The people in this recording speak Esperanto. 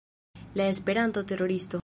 La Esperanto-teroristo